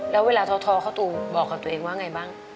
แล้วเวลาท้อเข้าตูบอกกับตัวเองว่าไงบ้าง